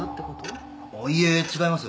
いえ違います。